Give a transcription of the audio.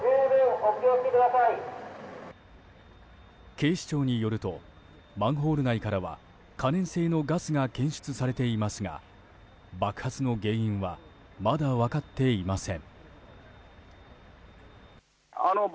警視庁によるとマンホール内からは可燃性のガスが検出されていますが爆発の原因はまだ分かっていません。